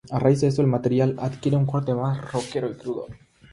A raíz de esto, el material adquiere un corte más roquero y crudo.